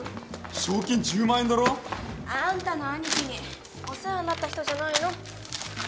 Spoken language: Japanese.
賞金１０万円だろ？あんたのアニキにお世話になった人じゃないの？